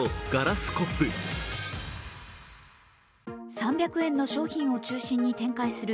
３００円の商品を中心に展開する